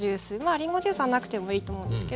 りんごジュースはなくてもいいと思うんですけど。